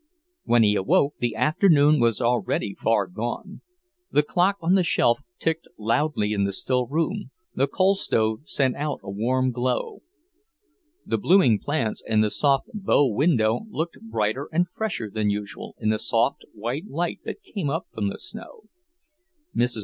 When he awoke the afternoon was already far gone. The clock on the shelf ticked loudly in the still room, the coal stove sent out a warm glow. The blooming plants in the south bow window looked brighter and fresher than usual in the soft white light that came up from the snow. Mrs.